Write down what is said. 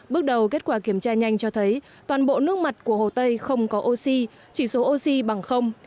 bước đầu kết quả kiểm tra nhanh cho thấy toàn bộ nước mặt của hồ tây không có oxy chỉ số oxy bằng